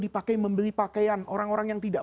dipakai membeli pakaian orang orang yang tidak